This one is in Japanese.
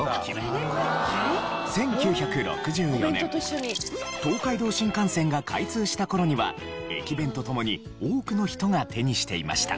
１９６４年東海道新幹線が開通した頃には駅弁と共に多くの人が手にしていました。